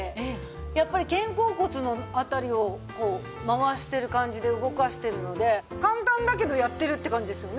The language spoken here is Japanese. やっぱり肩甲骨の辺りをこう回してる感じで動かしてるので簡単だけどやってるって感じですよね。